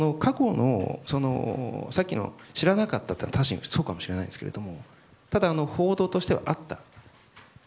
過去、知らなかったというのはそうかもしれないんですけどただ、報道としてはあった。